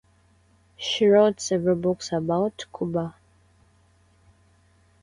She wrote several books about Cuba.